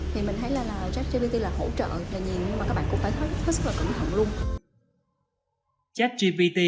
thì mình thấy là chat gpt là hỗ trợ là nhiều nhưng mà các bạn cũng phải hết sức là cẩn thận luôn